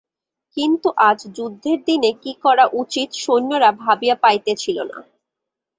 কিন্তু আজ যুদ্ধের দিনে কী করা উচিত সৈন্যেরা ভাবিয়া পাইতেছিল না।